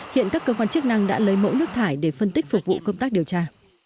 hiện các cơ quan chức năng đã lấy mẫu nước thải để phân tích phục vụ công tác điều tra